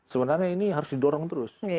sebenarnya ini harus didorong terus